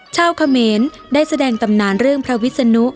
เขมรได้แสดงตำนานเรื่องพระวิศนุ